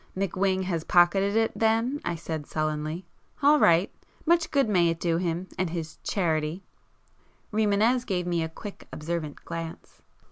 "McWhing has pocketed it then,"—I said sullenly—"All right! Much good may it do him, and his 'charity'!" Rimânez gave me a quick observant glance.